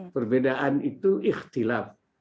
perbedaan itu ikhtilaf